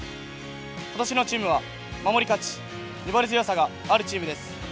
今年のチームは守り勝ち粘り強さがあるチームです。